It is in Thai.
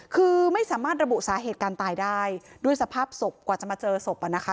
คือไม่สามารถระบุสาเหตุการตายได้ด้วยสภาพศพกว่าจะมาเจอศพอ่ะนะคะ